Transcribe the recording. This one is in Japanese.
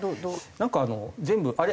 なんか全部あれ？